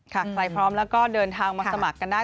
ใครพร้อมแล้วก็เดินทางมาสมัครกันได้